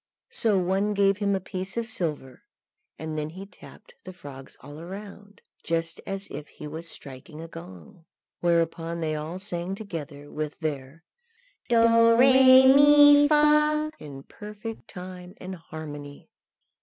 Some one gave him a piece of silver, and then he tapped the frogs all round, just as if he was striking a gong; whereupon they all sang together, with their Do, Ré, Mi, Fa, in perfect time and harmony.